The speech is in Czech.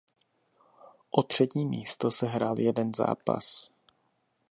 O třetí místo se hrál jeden zápas.